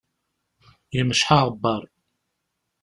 Yemceḥ aɣebbar.